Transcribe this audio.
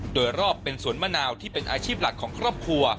โดยรอบเป็นสวนมะนาวที่เป็นอาชีพหลักของครอบครัว